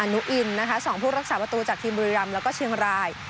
นุอินนะคะ๒ผู้รักษาประตูจากทีมบุรีรำแล้วก็เชียงราย